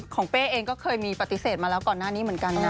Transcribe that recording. เป้เองก็เคยมีปฏิเสธมาแล้วก่อนหน้านี้เหมือนกันนะ